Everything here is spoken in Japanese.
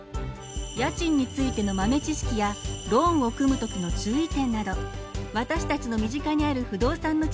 家賃についての豆知識やローンを組む時の注意点など私たちの身近にある不動産の知識が満載です。